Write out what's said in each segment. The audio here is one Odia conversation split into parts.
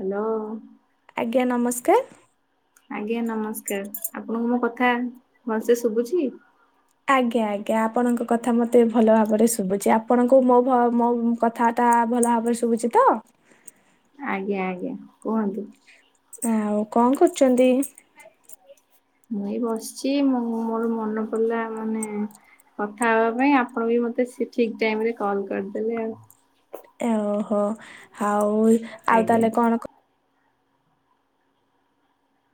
ହ୍ୟାଲୋ! ଆଜ୍ଞା ନମସ୍କାର। ଆଜ୍ଞା ନମସ୍କାର। ଆପଣଙ୍କୁ ମୋ କଥା ଭଲସେ ଶୁଭୁଛି? ଆଜ୍ଞା ଆଜ୍ଞା ଆପଣଙ୍କ କଥା ମତେ ଭଲ ଭାବରେ ଶୁଭୁଛି ଆପଣଙ୍କୁ ମୋ ଭ ମୋ କଥା ଆତା ଭଲ ଭାବରେ ଶୁଭୁଛି ତ? ଆଜ୍ଞା ଆଜ୍ଞା କୁହନ୍ତୁ? ଆଉ କଣ କରୁଚନ୍ତି? ମୁଁ ଏଇ ବସ୍ଚି୍। ମୁ ମୋର ମନେ ପଡିଲା ମାନେ କଥା ହେବା ପାଇଁ। ଆପଣ ବି ମତେ ସେ ଠିକ୍ ଟାଇମରେ କଲ୍ କରିଦେଲେ ଆଉ। ଏଓ ଓହୋ, ଆଉ ଆଉ ଆଜ୍ଞା। ତାହେଲେ କଣ କ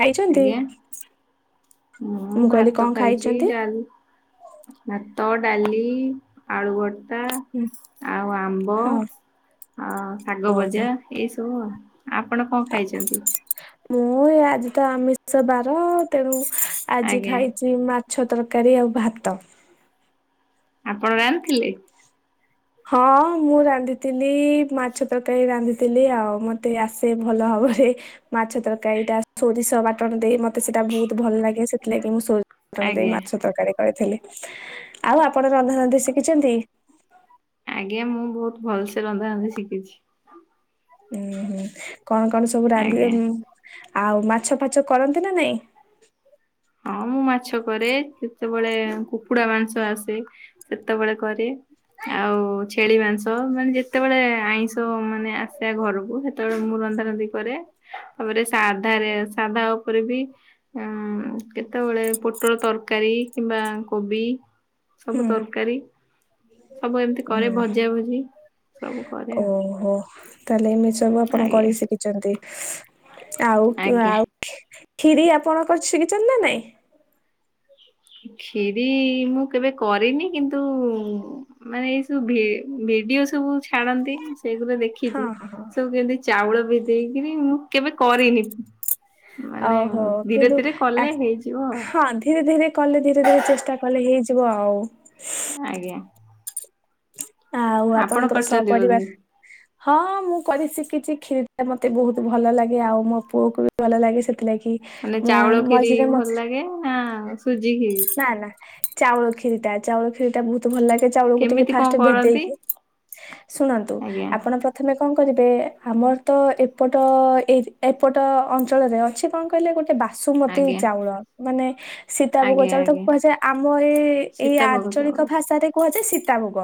ଖାଇଛନ୍ତି? ଆଜ୍ଞା। ମୁଁ କହିଲି ଭାତ କଣ ଖାଇଛି ଖାଇଛନ୍ତି? ଡାଲ୍ ଭାତ, ଡାଲି, ଆଳୁ ଭ ତା, ଆଉ ଆମ୍ବ, ହଁ ଆ ଶାଗ ଓହୋ। ଭଜା। ଏଇସବୁ ଆଉ। ଆପଣ କଣ ଖାଇଛନ୍ତି? ମୁଁ ଏ ଆଜି ତ ଆମିଷ ବାର। ତେଣୁ, ଆଜି ଆଜ୍ଞା ଖାଇଛ୍ ଉ ମାଛ ତରକାରୀ, ଆଉ ଭାତ। ଆପଣ ରାନ୍ଥିଲେ? ହଁ ମୁଁ ରାନ୍ଧିଥିଲି ମାଛ ତରକାରୀ ରାନ୍ଧିଥିଲି ଆଉ ମତେ ଆସେ ଭଲ ଭାବରେ। ମାଛ ତରକାରୀଟା ସୋରିଷ ବାଟଣ ଦେଇ। ମତେ ସେଇଟା ବହୁତ ଭଲ ଲାଗେ, ସେଥିଲାଗି ମୁଁ ସୋ ଟଣ ଦେଇ ଆଜ୍ଞା। ମାଛ ତରକାରୀ କରିଥିଲି। ଆଉ ଆପଣ ରନ୍ଧା ରାନ୍ଧି ଶିଖିଛନ୍ତି? ଆଜ୍ଞା। ମୁଁ ବହୁତ। ଭଲସେ ରନ୍ଧା ରାନ୍ଧି ଶିଖିଛି। ଉୁଁ ହୁଁ କଣ କଣ ସବୁ ଆଜ୍ଞା। ରାନ୍ଧିବେ? ଆଉ ମାଛ ଫାଛ କରନ୍ତି ନା ନାଇଁ? ହଁ ମୁଁ ମାଛ କରେ। ସେତେବେଳେ କୁକୁଡା ମାଂସ ଆସେ। ସେତେବେଳେ କରେ, ଆଉ ଛେଳି ମାଂସ ମାନେ ଯେତେବେଳେ ଆଇଁଷ ତ ମାନେ ଆସିବା ଘରକୁ ସେତେବେଳେ ମୁଁ ରନ୍ଧା ରନ୍ଧି କରେ। ତାପରେ ସାଧାରେ ସାଧା ଉପରେ ବି ଉଁ କେତେବେଳେ ପୋଟଳ ତରକାରୀ କିମ୍ବା କୋବି। ସବୁ ହୁଁ ତରକାରୀ, ସବୁ ଏମିତି କରେ, ନା। ଭଜା ଭଜି, ସବୁ କରେ ଆଉ। ଓହୋ। ତାହେଲେ ଏମିତି ସବୁ ଆପଣ ଆଜ୍ଞା କରି ଶିଖିଛନ୍ତି। ଆଉ ଆଜ୍ଞା। ଆଉ ଖିରି ଆପଣ କରି ଶିଖିଛନ୍ତି ନା ନାଇଁ? କ୍ଷିରି ମୁଁ କେବେ କରିନି, କିନ୍ତୁ ମାନେ ଏଇ ସବୁ ଭି ଭିଡିଓ ସବୁ ଛାଡନ୍ତି ସେଗୁଡା ହଁ ଦେଖିଛି, ହଁ ହଁ ସବୁ କେମିତି ଚାଉଳ ବିଦେଇକିରି। ମୁଁ କେବେ କରିନି? ମାନେ ଓହୋ। ଧୀରେ କିନ୍ତୁ, ଧୀରେ କଲେ ହେଇଯିବ ଆଉ। ହଁ ଧୀରେ ଧୀରେ କଲେ ଧୀରେ ଧୀରେ ଚେଷ୍ଟା କଲେ ହେଇଯିବ ଆଉ। ଆଜ୍ଞା। ଆଉ ଆପଣ ଆପଣଙ୍କର କରିଛନ୍ତି ବୋଧେ? ସପରିବାର ହଁ ହଁ ମୁଁ କରି ଶିଖିଛି। କ୍ଷୀରିଟା ମତେ ବହୁତ୍ ଭଲ ଲାଗେ, ଆଉ ମୋ ପୁଅକୁ ବି ଭଲ ଲାଗେ, ସେଥିଲାଗି ମାନେ ମୁଁ ଚାଉଳ କ୍ଷୀରି ମଝିରେ ଭଲ ମଝିରେ ଲାଗେ, ନା ସୁଜି କ୍ଷୀରି? ନା ନା ଚାଉଳ କ୍ଷୀରିଟା, ଚାଉଳ କ୍ଷୀରି ବହୁତ୍ ତୁ ଭଲ ଲାଗେ ଚାଉଳକୁ ଟିକେ କେମିତି କଣ ଫାଷ୍ଟ୍ କରନ୍ତି? ଭେଦେଇକି ଶୁଣନ୍ତୁ, ଆଜ୍ଞା ଆପଣ ପ୍ ପ୍ରଥମେ କଣ କରିବେ ଆମର ତ ଏପଟ ଏ ଏପଟ ଅଞ୍ଚଳରେ ଅଛି କଣ କହିଲେ ଗୋଟେ ବାତ୍ ସୁମତୀ ଆଜ୍ଞା ଚାଉଳ। ମାନେ ଶିତ୍ ସୀତାଭୋଗ ଆଜ୍ଞା ଚାଲଲେ ତାକୁ, ଆଜ୍ଞା କୁହାଯାଏ ଆମ ଏଇ ଏଇ ସୀତାଭୋଗ ଆଞ୍ଚଳିକ ଚାଉଳ ଭାଷାରେ କୁହାଯାଏ ସୀତାଭୋଗ।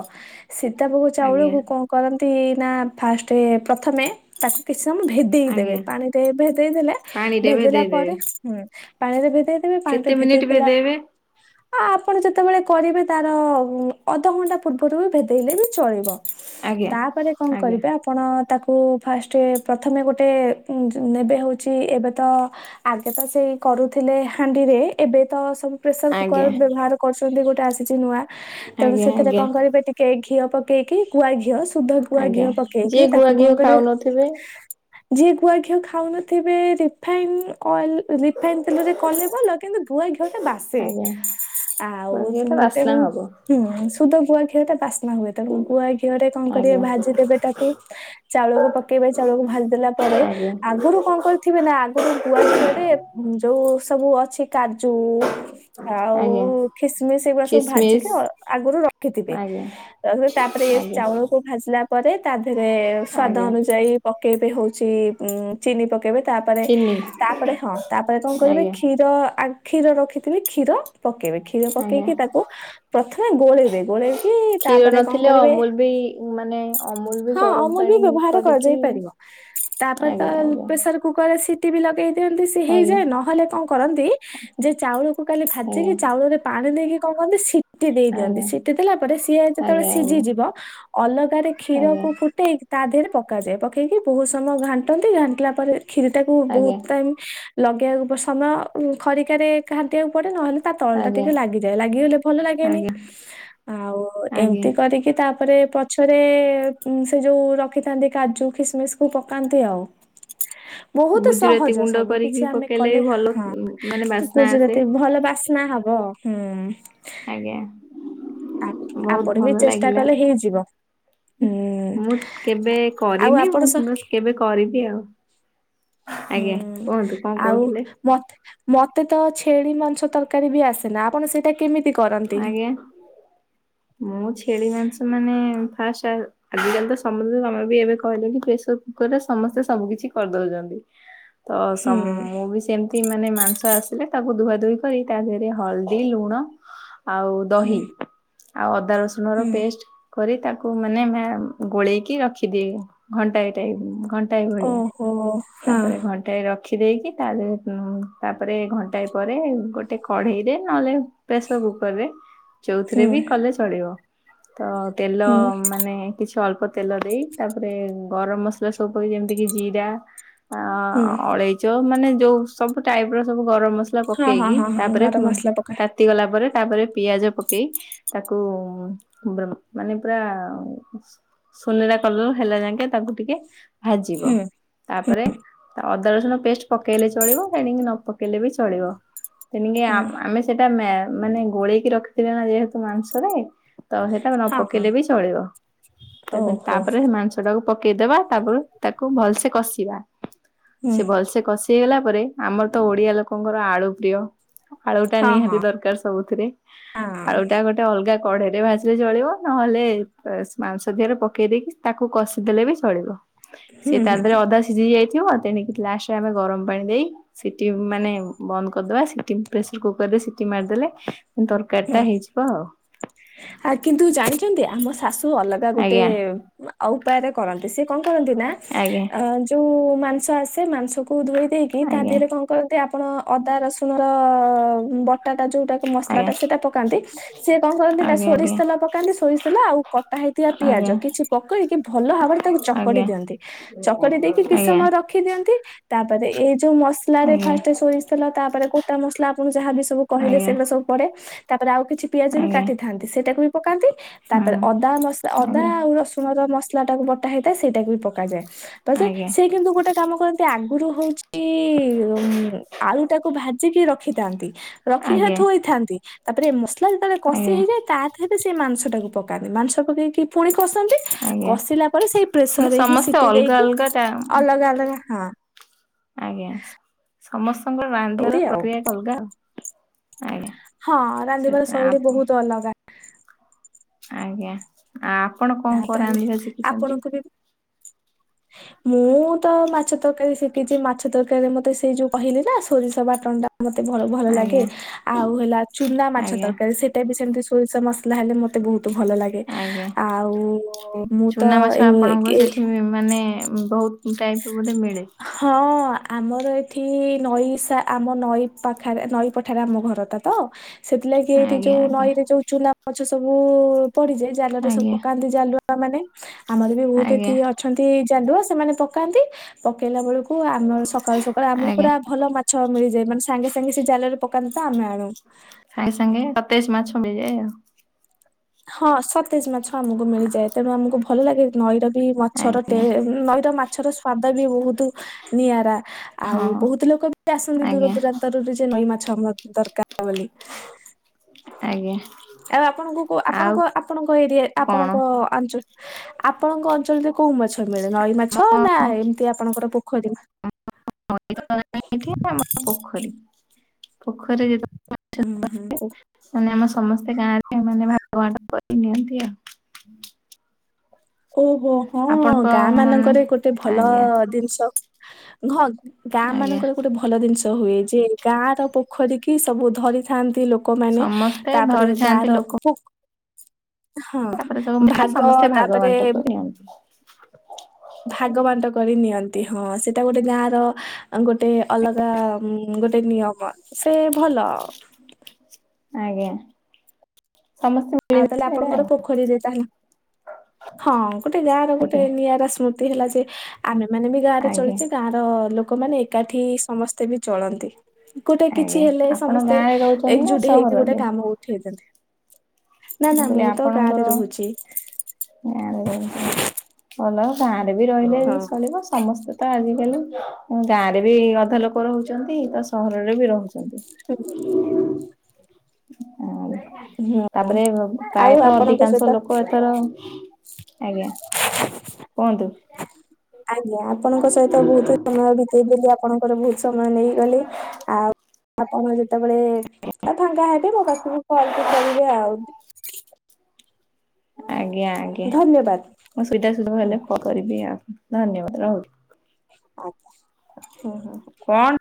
ସୀତାଭୋଗ ଆଜ୍ଞା। ଚାଉଳକୁ କଣ କରନ୍ତି, ନା ଫାଷ୍ଟ ପ୍ରଥମେ ତାକୁ କିଛି ସମୟ ଭେଦ୍ ଦେଇଦେବେ ଆଜ୍ଞା ପାଣିରେ ଭେଦେଇ ଦେଲେ ପାଣିରେ ଭେଦେଇ ଭେଦେଇଲା, ଦେବେ ପରେ ହୁଁ ପାଣିରେ ଭେଜେଇଦେବେ। କେତେ ମିନିଟ୍ ଭେଦେଇବେ? ଆ ଆପଣ ଯେତେବେଳେ କରିବେ, ତାର ଅଧଘଣ୍ଟା ପୂର୍ବରୁ ଭେଦେଇଲେ ବି ଚଳିବ। ଆଜ୍ଞା ତାପରେ କଣ? ଆଜ୍ଞା କରିବେ ଆପ୍ ଆପଣ ତାକୁ ଫାଷ୍ଟେ ପ୍ରଥମେ ଗୋଟେ ନେବେ ହେଉଚି ଏବେ ତ ଆଗେ ତ ସେ କରୁଥିଲେ ହାଣ୍ଡିରେ ଏବେ ତ ସବୁ ପ୍ରେସର ଆଜ୍ଞା କୁକର ବ୍ୟବହାର କରୁଛନ୍ତି ଗୋଟେ ଆସିଛି ନୂଆ ତେଣୁ ଆଜ୍ଞା ସେଥିରେ ଆଜ୍ଞା କଣ କରିବେ ଟିକ୍ କେ ଘିଅ ପକେଇକି ଗୁଆ ଘିଅ ସୁଧ ଗୁଆ ଆଜ୍ଞା ଘିଅ ଯିଏ ପକେଇକି ଗୁଆ ତାକୁ ଘିଅ କଣ କରିବ ଖାଉନଥିବେ ଯିଏ ଗୁଆ ଘିଅ ଖାଉନଥିବେ ରିଫାଇନି ଅଏଲ ରିଫାଇନି ତେଲରେ କଲେ ଭଲ କିନ୍ତୁ ଗୁଆ ଘିଅ ଟା ବାସେ ଆଜ୍ଞା ଗୁଆ ଆଉ ଘିଅ ଟା ବାସ୍ନା ତେଣୁ ହବ ହୁଁ ସୁଧ ଗୁଆ ଘିଅଟା ବାସ୍ନା ହୁଏ ତା ଗୁଆ ଘିଅରେ କଣ କରିବେ ଆଜ୍ଞା ଭାଜି ଦେବେ ତାକୁ। ଚାଉଳକୁ ପକେଇବା ଚାଉଳକୁ ଭାଜି ଦେଲା ପରେ ଆଜ୍ଞା ଆଗରୁ କଣ କର ଥିବେ ନା ଆଗରୁ ଗୁଆ ଘିଅରେ ଯୋଉ ସବୁ ଅଛି କାଜୁ। ଆଉ ଆଜ୍ଞା ଖିସ୍ ମିସ୍ ଏଇଗୁଡା ସବୁ ଭାଜିକି ଖିସମିସ ଆଗରୁ ରଖିଥିବେ। ଆଜ୍ଞା ତାପରେ ତାପରେ ଏସେ ଆଜ୍ଞା ଚାଉଳକୁ ଭାଜିଲା ପରେ ତା ଦେହରେ ସ୍ଵାଦ ଆଜ୍ଞା ଅନୁଯାୟୀ ପକେଇବେ ହଉଚି ଚିନି ପକେଇବେ। ତାପରେ ଚିନି ତାପରେ ହଁ ତାପରେ କଣ କରିବେ ଆଜ୍ଞା କ୍ଷୀର। ଆ କ୍ଷୀର ରଖିଥିବେ କ୍ଷୀର ପକେଇବେ କ୍ଷୀର ଆଜ୍ଞା ପକେଇକି ତାକୁ ପ୍ରଥମେ ଗୋଳେଇବେ ଗୋଳେଇକି କ୍ଷୀର ତାପରେ କଣ ନଥିଲେ କରିବେ ଅମୁଲ ବି ମାନେ ଅମୁଲ ବି ହଁ ଗରମ ଅମୁଲ ବି ପାଣି ବ୍ୟବହାର କରିକି। କରାଯାଇ ପାରିବ। ତାପରେ ତ ଆଜ୍ଞା ଆଜ୍ଞା ପ୍ରେସର କୁକରରେ ସିଟି ବି ଲଗେଇ ଦିଅନ୍ତି ସିଏ ଆଜ୍ଞା ହେଇଯାଏ ନହେଲେ କଣ କରନ୍ତି? ଯେ ଚାଉଳକୁ କାଲି ଆଜ୍ଞା ଭାଜିକି ଚାଉଳରେ ପାଣି ଦେଇକି କଣ କରନ୍ତି ସି ସିଟି ଦେଇ ଦିଅନ୍ତି ଆଜ୍ଞା ସିଟି ଦେଲା ପରେ ସିଏ ଯେତେବେଳେ ଆଜ୍ଞା ଆଜ୍ଞା ସିଝିଯିବ। ଅଲଗାରେ ଆଜ୍ଞା କ୍ଷୀରକୁ ଫୁଟେଇ ତା ଦେହରେ ପକାଯାଏ ପକେଇକି ବହୁତ ସମୟ ଘାଣ୍ଟନ୍ତି ଘାଣ୍ଟିଲା ପରେ କ୍ଷୀରିଟାକୁ ବହୁତ ଆଜ୍ଞା ଟାଇମ୍ ଲଗେଇବାକୁ ପ ସମୟ ଖରିକାରେ ଘାଣ୍ଟିବାକୁ ପଡେ ନହେଲେ ତା ତଳଟା ଆଜ୍ଞା ଟିକେ ଲାଗିଯାଏ ଲାଗିଗଲେ ଭଲ ଲାଗେନି ଆଜ୍ଞା ଆଉ ଆଜ୍ଞା ଏମିତି କରିକି। କି ତାପରେ ପଛରେ ସେ ଯୋଉ ରଖିଥାନ୍ତି କାଜୁ କିସମିସକୁ ପକାନ୍ତି ଆଉ। ବହୁତ ଗୁଜୁରାତି ସହଜ ଗୁଣ୍ଡ ସବୁ କିଛି କରିକି ଆମେ ପକେଇଲେ କଲେ ବି ଭଲ। ହଁ ମାନେ ବାସ୍ନା ଆସେ। ଗୁଜୁରାତି ଭଲ ବାସ୍ନା ହବ ହୁଁ। ଆଜ୍ଞା ଆ ବହୁତ ଆପଣ ବି ଭଲ ଚେଷ୍ଟା ଲାଗିଲା। କଲେ ହେଇଯିବ। ହୁଁ ମୁଁ କେବେ ଆଉ କରିନି ଆପଣ ସ ମୁଁ କେବେ କରିବି ଆଉ। ଆଜ୍ଞା ହୁଁ କୁହନ୍ତୁ କଣ ଆଉ କହୁଥିଲେ ମତେ। ମତେ ତ ଛେଳି ମାଂସ ତରକାରୀ ବି ଆସେନା ଆପଣ ସେଇଟା କେମିତି କରନ୍ତି? ଆଜ୍ଞା। ମୁଁ ଛେଳି ମାଂସ ମାନେ ଫାଷ୍ଟ ଆ ଆଜିକାଲି ତ ସମସ୍ତେ ତମେ ବି ଏବେ କହିଲେ କି ପ୍ରେସର କୁକରରେ ସମସ୍ତେ ସବୁ କିିଛି କରିଦଉଛନ୍ତି। ତ ହୁଁ ସମ ମୁଁ ବି ସେମି ତି ମାନେ ମାଂସ ଆସିଲେ ତାକୁ ଧୁଆଧୁଇ କରି ତା ଦେହରେ ହଳଦୀ ଲୁଣ। ଆଉ ହୁଁ ଦହି ଆଉ ଅଦା ରସୁଣର ହୁଁ ପେଷ୍ଟ। କରି ତାକୁ ମାନେ ଗୋଳେଇକି ରଖିଦିଏ ଘଣ୍ଟାଏ ଟାଏଘ। ଘଣ୍ଟାଏ ଭଳିଆ ଓହୋ ହଁ ତାପରେ ଘଣ୍ଟା। ଘଣ୍ଟାଏ ରଖିଦେଇକି ତାହେଲେ ତାପରେ ଘଣ୍ଟାଏ ପରେ ଗୋଟେ କଢେଇରେ ନହେଲେ ପ୍ରେସର କୁକରରେ ଯୋଉଥିରେ ହୁଁ ବି କଲେ ଚଳିବ ତ ତେଲ ହୁଁ ମାନେ କିଛି ଅଳ୍ପ ତେଲ ଦେଇ ତାପରେ ଗରମ ମସଲା ସବୁ ଯେମିତି କି ଜିରା। ଆ ହୁଁ ଅଳେଇଚ ମାନେ ଯୋଉ ସବୁ ଟାଇପିର ସବୁ ଗରମ ମସଲା। ମସଲା ହଁ ହଁ ପକେଇକି ହଁ ହଁ ତାପରେ ଗରମ ମସଲା ପକା ତାତି ଗଲା ପରେ ତାପରେ ପିଆଜ ପକେଇ। ତାକୁ ମାନେ ପୁରା ସୁନେରା କଲର ହେଲା‌ ଯାକେ ତାକୁ ଟିକେ ଭାଜିବ। ହୁଁ ତାପରେ ଅଦା ରସୁଣ ପେଷ୍ଟେ ପକେଇଲେ ଚଳିବ ସେଣିକି ନ ପକେଇଲେ ବି ଚଳିବ। ତେଣିକି ହୁଁ ଆମେ ସେଟା ମ୍ୟା ମାନେ ଗୋଳେଇକି ରଖିଥିଲେ ନା ଯେହେତୁ ମାଂସରେ। ତ ସେଟା ନ ହଁ ହଁ ପକେଇଲେ ବି ଚଳିବ। ତାପ ଓହୋ ତାପରେ ସେ ମାଂସଟାକୁ ପକେଇଦବା ତାପରେ ତାକୁ ଭଲସେ କଷିବା। ହୁଁ ସେ ଭଲସେ କଷି କଷି ହେଲା ପରେ ଆମର ତ ଓଡିଆ ଲୋକଙ୍କର ଆଳୁ ପ୍ରିୟ ଆଳୁଟା ହଁ ନିହାତି ହଁ ଦରକାର ସବୁଥିରେ। ହଁ ଆଳୁଟା ଗୋଟେ ଅଲଗା କଢେଇରେ ଭାଜିଲେ ଚଳିବ ନହେଲେ ମାଂସ ଦିହରେ ପକେଇଦେଇକି ତାକୁ କଷିଦେଲେ ବି ଚଳିବ, ହୁଁ ସିଏ ତା ହୁଁ ଦେହରେ ଅଧା ସିଝି ଯାଇଥିବ ତେଣିକି ଲାଷ୍ଟରେ ଆମେ ଗରମ ପାଣି ଦେଇ ସିଟିି ମାନେ ବନ୍ଦ କରିଦବା ପ୍ରେସର କୁକରରେ ସିଟି ସିଟି ମାରିଦେଲେ ହୁଁ ତରକାରୀଟା ହେଇଯିବ ଆଉ। ଆ କିନ୍ତୁ ଜାଣିଛନ୍ତି ଆମ ଶାଶୁ ଅଲଗା ଗୋଟେ ଆଜ୍ଞା ଉପାୟରେ କରନ୍ତି ସେ କଣ କରନ୍ତି ନା ଆଜ୍ଞା ଯୋଉ ମାଂସ ଆସେ ମାଂସକୁ କୁ ଧୋଇ ଦେଇକି ତା ଆଜ୍ଞା ଦେହରେ କଣ କରନ୍ତି ଆପଣ ଅଦାରସୁଣର ବ ଯୋଉଟା ମସଲା ଆଜ୍ଞା ଟା ସେଟା ପକାନ୍ତି ସିଏ କଣ କରନ୍ତିନା ସୋରିଷ ଆଜ୍ଞା ତେଲ ପକାନ୍ତି ସୋରିଷ ତେଲ ଆଉ କଟା ହେଇଥିବା ଆଜ୍ଞା ପିଆଜ କିଛି ପକେଇକି ଭଲ ଭାବରେ ତାକୁ ଚକ ଚକଡି ଆଜ୍ଞା ଦିଅନ୍ତି, ଚକଡି ଦେଇକି କିଛି ଦେଇକି ଆଜ୍ଞା ଆଜ୍ଞା ସମୟ ର ରଖିଦିଅନ୍ତି ତାପରେ ଏଇ ଯୋଉ ମସଲାରେ ଆଜ୍ଞା। ଫାର୍ଷ୍ଟ ସୋରିଷ ତେଲ, ତାପରେ ଗୋଟା ମସଲା ପୁଣି ଯାହାବି ସବୁ କହିଲେ ଆଜ୍ଞା ସେଗୁଡ଼ା ସବୁ ପଡେ ତାପରେ ଆଉ କିଛି ପିଆଜ ବି ଆଜ୍ଞା କାଟିଥାନ୍ତି ସେଇଟାକୁ ବି ପକାନ୍ତି। ତାପରେ ହୁଁ ଅଦା ମସଲା ଅଦା ଆଜ୍ଞା ଆଉ ରସୁଣର ମସଲା ଟାକୁ ବଟା ହେଇଥାଏ ସେଇଟାକୁ ବି ପକା [unintelligible] ଆଜ୍ଞା ସେ କିନ୍ତୁ ଗୋଟେ କାମ କରନ୍ତି ଆଗରୁ ହଉଛି [unintelligible] ଆଳୁଟାକୁ ଭାଜିକି ରଖିଥାନ୍ତି ରଖିକି ସେ ଆଜ୍ଞା ଥୋଇଥାନ୍ତି। ତାପରେ ଏ ମସଲା ଯେତେବେଳେ କଷି ଆଜ୍ଞା ହେଇଯାଏ ତା ଦେହରେ ସେ ମାଂସଟାକୁ ପକାନ୍ତି ମାଂସ ପକେଇକି, ପୁଣି କଷନ୍ତି ଆଜ୍ଞା କଷିଲା ପରେ ସେଇ ପ୍ରେସର ମାନେ ରେ ହିଁ ସମସ୍ତେ ସିଟି ଅଲଗା ଦେଇକି ଅଲଗା ଟା ଅଲଗା ଅଲଗା, ହଁ। ଆଜ୍ଞା, ସମସ୍ତଙ୍କର ଏମିତି ରାନ୍ଧିବାର ଆଉ ପ୍ରକ୍ରିୟା ଅଲଗା ଆଉ। ଆଜ୍ଞା ହଁ, ରାନ୍ଧିବାର ସେଥିପାଇଁ ଶୈଳୀ ଆପ ବହୁତ ଅଲଗା। ଆଜ୍ଞା, ଆ ଆପଣ କଣ କଣ ତାହେଲେ ରାନ୍ଧିବା ଶିଖିଛନ୍ତି? ଆପଣଙ୍କୁ ବି ମୁଁ ତ ମାଛ ତରକାରୀ ଶିଖିଛି, ମାଛ ତରକାରୀରେ ମତେ ସେଇ ଯୋଉ କହିଲି ନା ସୋରିଷ ବାଟଣଟା ମତେ ବହୁତ୍ ଭଲ ଲାଗେ ଆଜ୍ଞା ଆଉ ହେଲା ଚୁନା ମାଛ ଆଜ୍ଞା ତରକାରୀ ସେଟା ସେଟାବି ସେମିତି ସୋରିଷ ମସଲା ହେଲେ ମତେ ବହୁତ ଭଲ ଲାଗେ ଆଜ୍ଞା ଆ ଚୁନା ମାଛ ଆପଣଙ୍କର ଏ ସେଠି ମାନେ ବହୁତ ଟାଇପର ବୋଧେ ମିଳେ? ହଁ ଆମର ଏଠି ନଈ ସା ଆମ ନଈ ପାଖରେ ନଈ ପଠାରେ ଆମ ଘରଟା ତ ସେଥିଲାଗି ଏଇଠି ଆଜ୍ଞା ଯୋଉ ଆଜ୍ଞା ନଈରେ ଯୋଉ ଚୁନା ମଛ ସବୁ ପଡିଯାଏ, ଜାଲରେ ସବୁ ଆଜ୍ଞା ପକାନ୍ତି ଜାଲୁଆ ଜାଲୁଆ ମାନେ, ଆମର ବି ବହୁତ ଆଜ୍ଞା ଏଠି ଅଛନ୍ତି ଜାଲୁଆ ସେମାନେ ପକାନ୍ତି। ପକେଇଲା ବେଳକୁ ଆମର ସକାଳୁ ସକାଳୁ ଆମକୁ ଆଜ୍ଞା ପୁରା ଭଲ ମାଛ ମିଳିଯାଏ ମାନେ ସାଙ୍ଗେ ସାଙ୍ଗେ ସେ ଜାଲରେ ପକାନ୍ତି ତ ଆମେ ଆଣୁ। ସାଙ୍ଗେ ସାଙ୍ଗେ ସତେଜ ମାଛ ମିଳିଯାଏ ଆଉ। ହଁ ସତେଜ ମାଛ ଆମକୁ ମିଳିଯାଏ ତେଣୁ ଆମକୁ ଭଲ ଲାଗେ ନଈର ନଈ ମାଛର ଆଜ୍ଞା ଟେ, ନଈର ମାଛର ସ୍ଵାଦ ବି ବହୁତ। ନିଆରା ଆଉ ହଁ ବହୁତ ଲୋକବି ଆସନ୍ତି ଦୂର ଆଜ୍ଞା ଦୂରାନ୍ତରରେ ଯେ ନଈ ମାଛ ଆର ଦରକାର। ବୋଲି। ଆଜ୍ଞା। ଆରେ ଆପଣଙ୍କୁ ଆଉ ଆପଣଙ୍କ ଆପଣଙ୍କ ଏରିଆ କଣ ଆପଣଙ୍କ ଅଞ୍ଚଳ ଆପଣଙ୍କ ଅଞ୍ଚଳରେ କୋଉ ମାଛ। କେତେ ବେଳେ ନଇ ମାଛ ନା ଏମିତି ଆପଣଙ୍କର ପୋଖରୀ ଏଠି [unintelligible] ପୋଖରୀ। ପୋଖରୀରେ ଯେ ହୁଁ ହୁଁ ପୋ ମାନେ ଆମ ସମସ୍ତେ ଗାଁରେ ମାନେ ଭାଗ ବାଟ କରି ନିଅନ୍ତି ଆଉ। ଓହୋ! ହଁ ଆପଣଙ୍କ ଗାଁ ମାନେ ମାନଙ୍କରେ ଗୋଟେ ଭଲ ଆଜ୍ଞା ଦିନିଷ ଘଁ ଗାଁ ଆଜ୍ଞା ମାନଙ୍କର ଗୋଟେ ଭଲ ଜିନିଷ ହୁଏ ଯେ ଗାଁ ର ପୋଖରୀ କି ସବୁ ଧରିଥାନ୍ତି ଲୋ ଲୋକ ମାନେ ସମସ୍ତେ ତାପରେ ଗାଁ ଧରିଥାନ୍ତି ର ଲୋକ ହଁ ତାପରେ ଭାଗ ସମସ୍ତେ ଭାଗ ତାପରେ ବାଣ୍ଟ କରି ନିଅନ୍ତି। ଭାଗ ବାଣ୍ଟ କରି ନିଅନ୍ତି ହଁ ସେଟା ଗୋଟେ ଗାଁ ର ଗୋଟେ ଅଲଗା ଗୋଟେ ନିୟମ ସେ ଭଲ। ଆଜ୍ଞା ସମସ୍ତେ ଆଉ ମିଳିମିଶି ତାହେଲେ ସେଇଟା ଆପଣଙ୍କର ଆଉ ପୋଖରୀରେ ତାହେଲା ହଁ ଗୋଟେ ଗାଁ ର ଗୋଟେ ଆଜ୍ଞା ନିଆରା ସ୍ମୃ ତି ହେଲା ଯେ ଆମେ ମାନେ ବି ଗାଁ ରେ ଆଜ୍ଞା ଚଳିଚେ ଗାଁ ତ ଲୋକମାନେ ଏକାଠି ସମସ୍ତେ ବି ଚଳନ୍ତି। ଗୋଟେ ଆଜ୍ଞା କିଛି ହେଲେ ଆପଣ ସମସ୍ତେ ଗାଁରେ ରହୁଛନ୍ତି ନା ଏକଜୁଟ ହେଇକି ଗୋଟେ ସହରରେ କାମ ଉଠେଇଥାନ୍ତି। ନା ମୁଁ, ନା କହିଲି ତ ଗାଁରେ ଆପଣଙ୍କର ରହୁଛି ଗାଁ ରେରହିଯା ଭଲ ଗାଁରେ ବି ରହିଲେ ହଁ ଚଳିବ। ସମସ୍ତେ ତ ଆଜିକାଲି। ଗାଁରେ ବି ଅଧେ ଲୋକ ରହୁଚନ୍ତି ତ ସହରରେ ବି ରହୁଚନ୍ତି। ହୁଁ ଆଉ ହୁଁ ତାପରେ ଆଉ ପ୍ରାୟତଃ ଆପଣଙ୍କ ଅଧିକାଂଶ ସହିତ ଲୋକ ଏଥର ଆଜ୍ଞା। [unintelligible] କୁହନ୍ତୁ? ଆଜ୍ଞା ଆପଣଙ୍କ ସହିତ ବହୁତ ସମୟ ବିତେଇ ଦେଲୁ ଆପଣଙ୍କର ବହୁତ ସମୟ ନେଇଗଲେ। ଆଉ ଆପଣ ଯେତେବେଳେ ଫଙ୍ଗା ହେବେ। ମୋ ପାଖକୁ କଲ ବି କରିବେ ଆଉ। ଆଜ୍ଞା ଆଜ୍ଞା। ଧନ୍ୟବାଦ। [inaudible] ମୁଁ, ସୁଇଧା ସୁଧା ହୁଁ ହେଲେ କ କରିବି। ଆକୁ ଧନ୍ୟବାଦ ରହୁଛି। ଆଚ୍ଛା। କଣ?